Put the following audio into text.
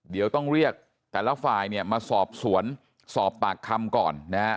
เดี๋ยวต้องเรียกแต่ละฝ่ายเนี่ยมาสอบสวนสอบปากคำก่อนนะฮะ